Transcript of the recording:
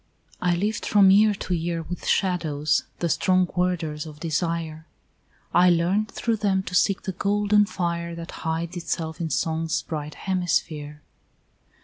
I lived from year to year With shadows, the strong warders of desire; I learned through them to seek the golden fire That hides itself in Song's bright hemisphere.